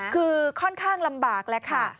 คือค่อนข้างลำบากแล้วค่ะ